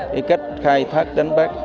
để cách khai thác đánh bắt